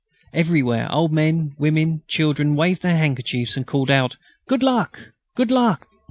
Everywhere old men, women and children waved their handkerchiefs and called out, "Good luck!... Good luck!"